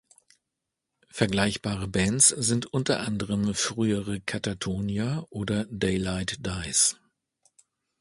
Vergleichbare Bands sind unter anderem frühere Katatonia oder Daylight Dies.